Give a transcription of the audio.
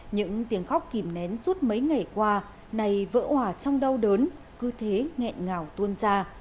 những tiếng khóc kìm nén suốt mấy ngày qua này vỡ hỏa trong đau đớn cứ thế nghẹn ngào tuôn ra